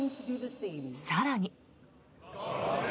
更に。